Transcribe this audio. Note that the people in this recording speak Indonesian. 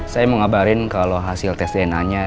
saya mau ngabarin kalau hasil tes dna nya